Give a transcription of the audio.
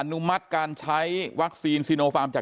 ก็คือเป็นการสร้างภูมิต้านทานหมู่ทั่วโลกด้วยค่ะ